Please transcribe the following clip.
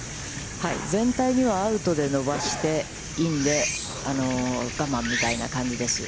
全体には、アウトで伸ばして、インで我慢みたいな感じです。